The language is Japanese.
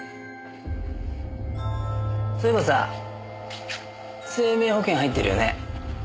そういえばさ生命保険入ってるよね？